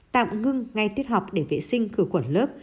tạm ngưng ngay tiết học để vệ sinh khử quẩn lớp